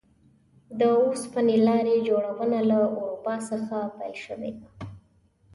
د اوسپنې لارې جوړونه له اروپا څخه پیل شوې ده.